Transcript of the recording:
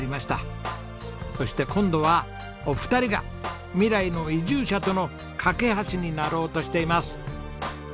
そして今度はお二人が未来の移住者との架け橋になろうとしています。